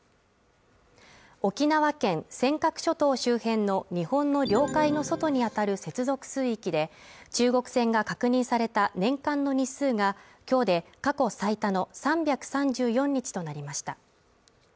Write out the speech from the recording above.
沖縄県尖閣諸島周辺の日本の領海の外に当たる接続水域で中国船が確認された年間の日数が今日で過去最多の３３４日となりました。